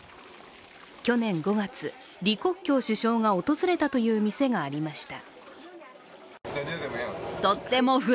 去年５月、李克強首相が訪れたという店がありました。